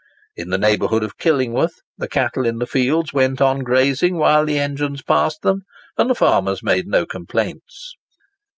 In the neighbourhood of Killingworth, the cattle in the fields went on grazing while the engines passed them, and the farmers made no complaints.